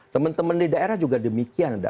teman teman di daerah juga demikian